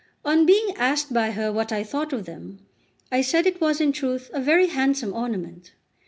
On being asked by her what I thought of them, I said it was in truth a very handsome ornament.